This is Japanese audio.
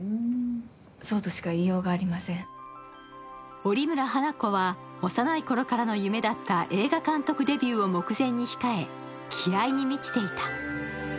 折村花子は幼い頃からの夢だった映画監督デビューを目前に控え、気合いに満ちていた。